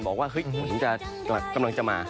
ตอนนี้จริงหรีทกำลังจะมา